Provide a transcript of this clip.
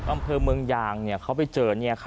อำเภอเมืองยางเขาไปเจอ